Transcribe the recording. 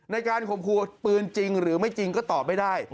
ในการข่มขู่ปืนจริงหรือไม่จริงก็ตอบไม่ได้